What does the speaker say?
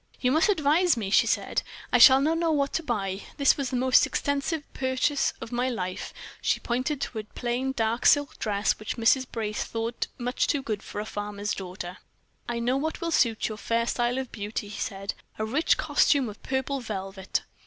"You must advise me," she said; "I shall not know what to buy. This was the most extensive purchase of my life," and she pointed to a plain, dark silk dress which Mrs. Brace thought much too good for a farmer's daughter. "I know what will suit your fair style of beauty," he said; "a rich costume of purple velvet."